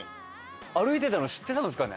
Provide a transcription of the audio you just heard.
歩いてたの知ってたんですかね？